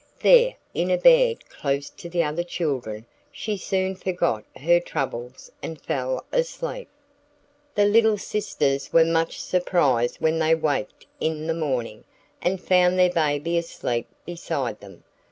There, in a bed close to the other children, she soon forgot her troubles and fell asleep. The little sisters were much surprised when they waked up in the morning, and found their Baby asleep beside them.